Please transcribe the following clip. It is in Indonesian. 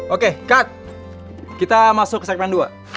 oke kak kita masuk ke segmen dua